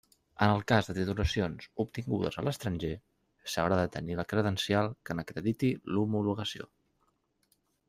En el cas de titulacions obtingudes a l'estranger s'haurà de tenir la credencial que n'acrediti l'homologació.